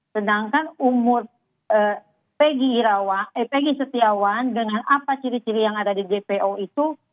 sedangkan umur pegi setiawan dengan apa ciri ciri yang ada di jpo itu